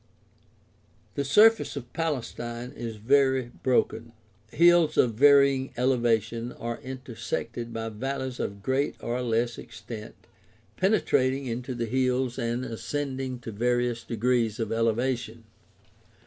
— The surface of Palestine is very broken. Hills of varying elevation are intersected by valleys of greater or less extent penetrating into the hills and ascending to various degrees of elevation.